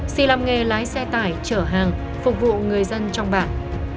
xì làm nghề lái xe tải chở hàng phục vụ người dân trong bản